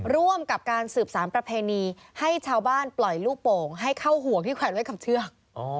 ร่วมกับการสืบสารประเพณีให้ชาวบ้านปล่อยลูกโป่งให้เข้าห่วงที่แขวนไว้กับเชือก